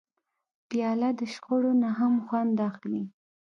پیاله د شخړو نه هم خوند اخلي.